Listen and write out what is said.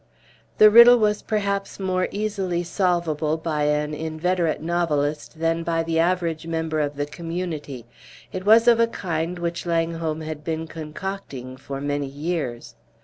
The riddle was perhaps more easily solvable by an inveterate novelist than by the average member of the community. It was of a kind which Langholm had been concocting for many years.